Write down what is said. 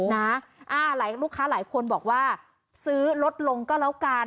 หลายลูกค้าหลายคนบอกว่าซื้อลดลงก็แล้วกัน